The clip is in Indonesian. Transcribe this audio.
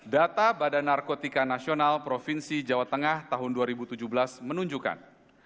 data badan narkotika nasional provinsi jawa tengah tahun dua ribu tujuh belas menunjukkan